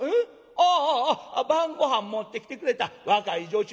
ああ晩ごはん持ってきてくれた若い女中さんやな。